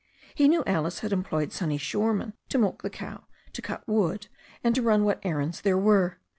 He knew Alice had employed Sonny Shore man to milk the cow, to cut wood, and to run what errands there were.